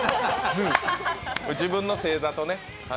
自分の星座とね。